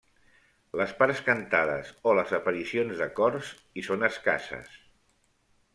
Les parts cantades o les aparicions de cors hi són escasses.